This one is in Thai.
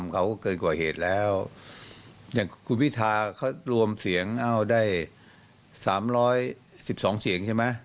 คุณพิธาเขารวมเสียงเอ้าได้๓๑๒เสียงใช่ไหม